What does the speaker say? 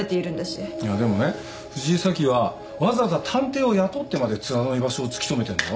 いやでもね藤井早紀はわざわざ探偵を雇ってまで津田の居場所を突き止めてんだよ。